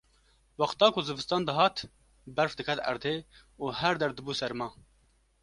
Wexta ku zivistan dihat berf diket erdê û her der dibû serma